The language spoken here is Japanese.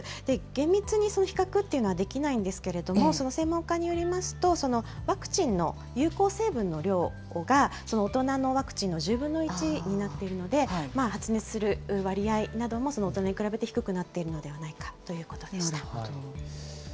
厳密にその比較というのはできないんですけれども、その専門家によりますと、ワクチンの有効成分の量が、大人のワクチンの１０分の１になっているので、発熱する割合なども大人に比べて低くなっているのではないかといなるほど。